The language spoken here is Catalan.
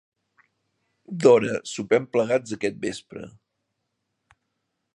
D'hora, sopem plegats aquest vespre.